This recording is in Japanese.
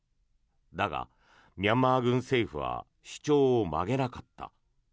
だが、ミャンマー軍政府は主張を曲げなかった。